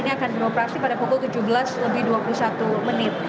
ini akan beroperasi pada pukul tujuh belas lebih dua puluh satu menit